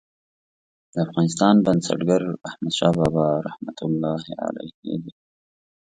د افغانستان بنسټګر احمدشاه بابا رحمة الله علیه دی.